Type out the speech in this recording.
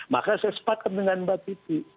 maka saya sepakat dengan mbak titi